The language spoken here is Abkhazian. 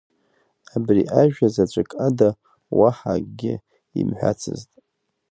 Абри ажәа заҵәык ада уаҳа акгьы имҳәацызт.